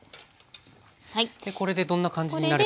でこれでどんな感じになればいいですか？